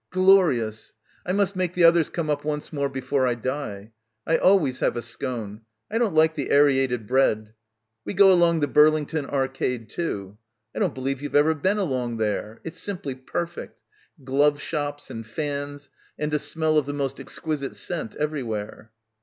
Glorious. I must make the others come up once more before I die. I always have a scone. I don't like the aryated bread. We go along the Burlington Ar cade too. I don't believe you've ever been along there. It's simply perfect. Glove shops and fans and a smell of the most exquisite scent every where."